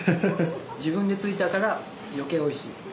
自分でついたから余計おいしい。